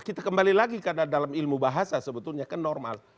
kita kembali lagi karena dalam ilmu bahasa sebetulnya kan normal